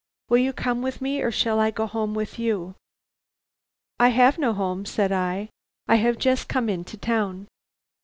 Will you come with me, or shall I go home with you?' "'I have no home,' said I, 'I have just come into town.'